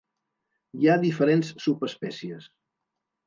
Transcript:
Hi ha diferents subespècies.